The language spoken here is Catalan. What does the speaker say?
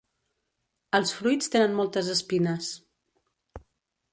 Els fruits tenen moltes espines.